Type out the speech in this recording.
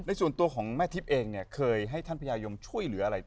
แต่ส่วนตัวแม่ทริพย์เองเคยให้ท่านพญาโยมช่วยเหลืออะไร